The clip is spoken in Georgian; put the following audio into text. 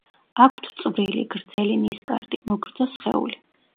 აქვთ წვრილი, გრძელი ნისკარტი, მოგრძო სხეული.